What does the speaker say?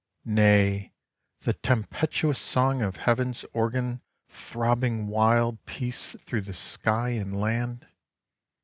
— Nay, the tempestuous song of Heaven's organ throbbing wild peace through the sky and land